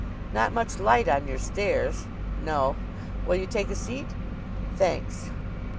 "Not much light on your stairs." "No. Will you take a seat?" "Thanks."